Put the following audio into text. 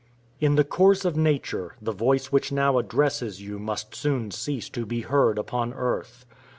In the course of nature, the voice which now addresses you must soon cease to be heard upon earth.